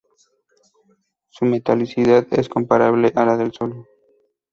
Su metalicidad es comparable a la del Sol.